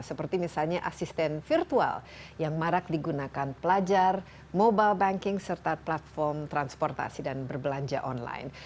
seperti misalnya asisten virtual yang marak digunakan pelajar mobile banking serta platform transportasi dan berbelanja online